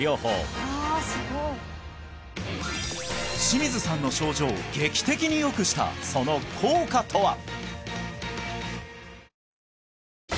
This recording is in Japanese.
清水さんの症状を劇的によくしたその効果とは？